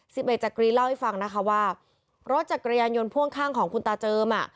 สิบเอกจักรีเล่าให้ฟังนะคะว่ารถจักรยานยนต์พ่วงข้างของคุณตาเจิมอ่ะ